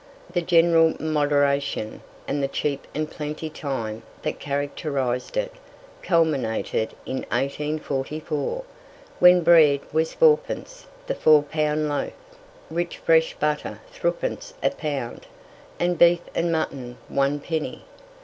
The general moderation, and the cheap and plenty time that characterized it, culminated in 1844, when bread was 4 pence the 4 pound loaf, rich fresh butter 3 pence a pound, and beef and mutton 1 penny.